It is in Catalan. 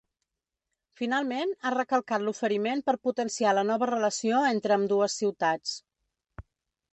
Finalment, ha recalcat l’oferiment per potenciar la nova relació entre ambdues ciutats.